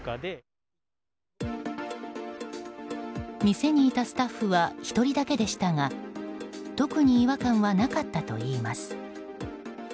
店にいたスタッフは１人だけでしたが特に違和感はなかったといいます。